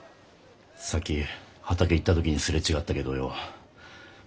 さっき畑行った時に擦れ違ったけどよ